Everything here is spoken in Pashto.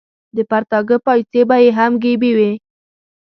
د پرتاګه پایڅې به یې هم ګیبي وې.